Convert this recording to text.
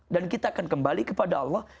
dan kita akan kembali kepada allah